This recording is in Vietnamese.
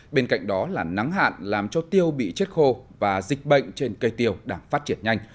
bên cạnh đó là nắng hạn làm cho tiêu bị chết khô và dịch bệnh trên cây tiêu đang phát triển nhanh